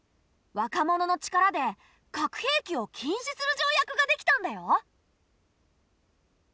若者の力で核兵器を禁止する条約ができたんだよ！